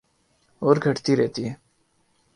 اور گھٹتی رہتی ہے